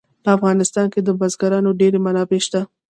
په افغانستان کې د بزګانو ډېرې منابع شته.